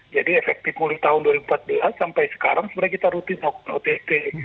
jadi efektif mulai tahun dua ribu empat belas sampai sekarang sebenarnya kita rutin ott